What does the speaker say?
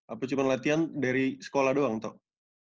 atau cuma latihan dari sekolah doang tau